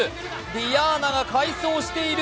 ディアーナが快走している。